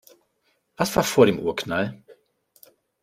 Was war vor dem Urknall?